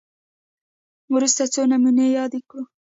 وروسته څو نمونې یادې کړو